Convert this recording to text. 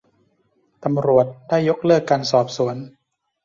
ตำรวจได้ยกเลิกการสอบสวน